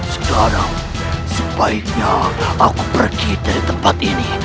sekarang sebaiknya aku pergi dari tempat ini